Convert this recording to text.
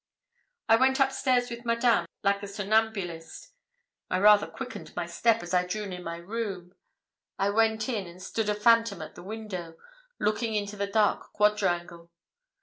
I went upstairs with Madame like a somnambulist. I rather quickened my step as I drew near my room. I went in, and stood a phantom at the window, looking into the dark quadrangle.